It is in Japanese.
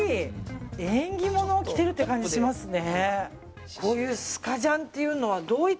縁起物を着てるっていう感じしますね。